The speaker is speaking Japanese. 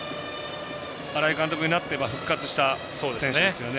新井監督になって復活した選手ですよね。